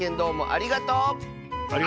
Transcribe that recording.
ありがとう！